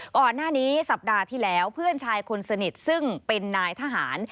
ก่อนหน้านี้สัปดาห์ที่แล้วเพื่อนชายคนสนิทซึ่งเป็นนายทหาร